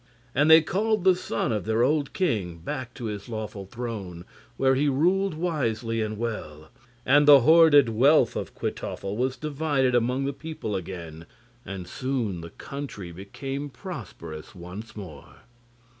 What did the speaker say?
And they called the son of their old king back to his lawful throne, where he ruled wisely and well; and the hoarded wealth of Kwytoffle was divided among the people again, and soon the country became prosperous once more.